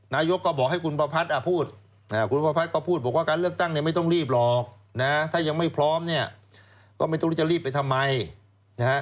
นายกก็บอกให้คุณประพัทธ์พูดคุณประพัทธก็พูดบอกว่าการเลือกตั้งเนี่ยไม่ต้องรีบหรอกนะถ้ายังไม่พร้อมเนี่ยก็ไม่รู้จะรีบไปทำไมนะฮะ